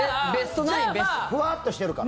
ふわっとしてるから。